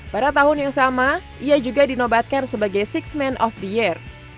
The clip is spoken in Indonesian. pada tahun yang sama ia juga dinobatkan sebagai enam of the year